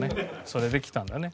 それできたんだね。